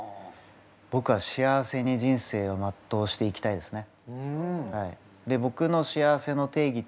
僕は幸せに人生をまっとうしていきたいですね。